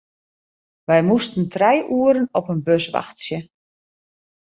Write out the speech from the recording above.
Wy moasten trije oeren op in bus wachtsje.